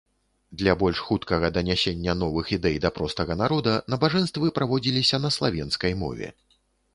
Для больш хуткага данясення новых ідэй да простага народа, набажэнствы праводзіліся на славенскай мове.